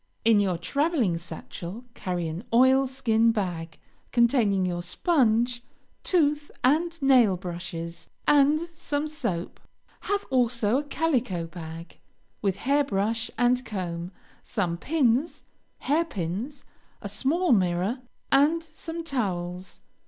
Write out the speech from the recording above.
In your traveling satchel carry an oil skin bag, containing your sponge, tooth and nail brushes, and some soap; have also a calico bag, with hair brush and comb, some pins, hair pins, a small mirror, and some towels.